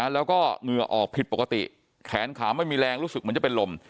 แล้วก็เหงื่อออกผิดปกติแขนขาไม่มีแรงรู้สึกเหมือนจะเป็นลม